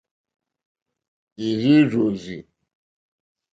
Ì rzí rzɔ́rzí.